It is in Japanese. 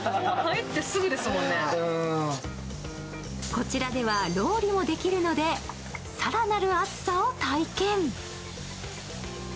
こちらではロウリュもできるので更なる熱さを体験。